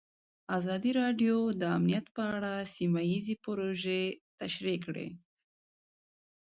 ازادي راډیو د امنیت په اړه سیمه ییزې پروژې تشریح کړې.